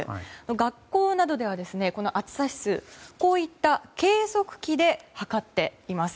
学校などでは暑さ指数、こうした計測器で測っています。